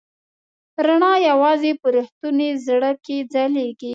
رڼا یواځې په رښتوني زړه کې ځلېږي.